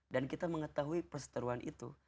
dan kita mengetahui perseteruan itu